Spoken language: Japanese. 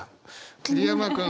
桐山君。